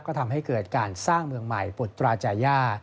ก็ทำให้เกิดการสร้างเมืองใหม่ปุตราจาย่า